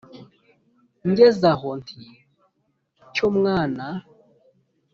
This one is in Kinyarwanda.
ngeze aho nti: cyo mwana